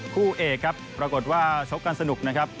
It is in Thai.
คู่เอกครับปรากฏว่าชกกันสนุกนะครับ